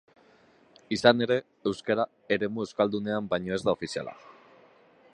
Izan ere, euskara eremu euskaldunean baino ez da ofiziala.